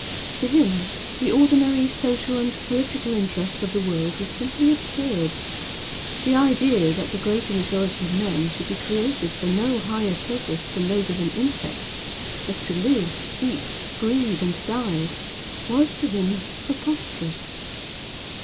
To him the ordinary social and political interests of the world were simply absurd. The idea that the greater majority of men should be created for no higher purpose than those of an insect, just to live, eat, breed, and die, was to him preposterous.